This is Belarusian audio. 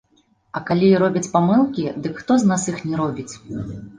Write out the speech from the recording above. А калі і робяць памылкі, дык хто з нас іх не робіць?